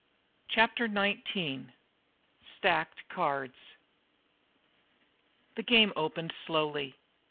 Chapter Nineteen Stacked Cards The game opened slowly.